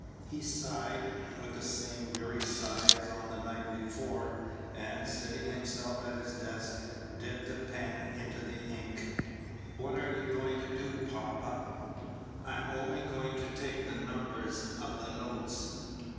He sighed, with the same weary sigh as on the night before, and, seating himself at his desk, dipped a pen into the ink. "What are you going to do, papa?" "I'm only going to take the numbers of the notes."